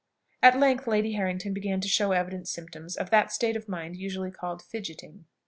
At length, Lady Harrington began to show evident symptoms of that state of mind usually called fidgeting.